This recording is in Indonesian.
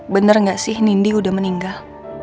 bener gak sih nindi udah meninggal